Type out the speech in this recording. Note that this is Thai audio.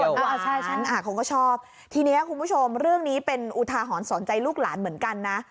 ใช่ฉันเขาก็ชอบทีนี้คุณผู้ชมเรื่องนี้เป็นอุทาหรณ์สอนใจลูกหลานเหมือนกันนะ